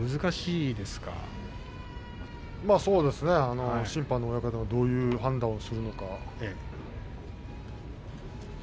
そうですね審判の親方がどういう判断をするのか。